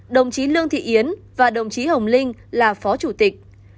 đồng chí lương thị yến và đồng chí hồng linh là phó chủ tịch